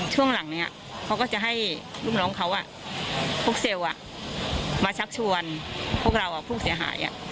ช่วงหลังนี้เขาก็จะให้ลูกน้องเขาพวกเซลล์มาชักชวนพวกเราผู้เสียหาย